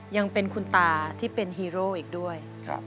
ยังเป็นคุณตาที่เป็นฮีโร่อีกด้วย